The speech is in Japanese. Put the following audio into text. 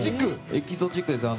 エキゾチックですよね。